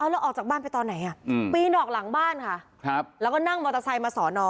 แล้วออกจากบ้านไปตอนไหนปีนออกหลังบ้านค่ะแล้วก็นั่งมอเตอร์ไซค์มาสอนอ